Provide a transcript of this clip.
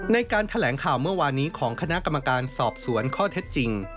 ในการแถลงข่าวเมื่อวานนี้ของคณะกรรมการสอบสวนข้อเท็จจริง